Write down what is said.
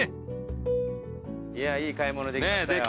いやいい買い物できましたよ。